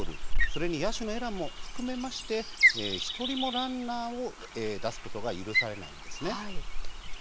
それに野手のエラーも含めまして１人もランナーを出すことが許されないんですね。